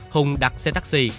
hùng đặt xe taxi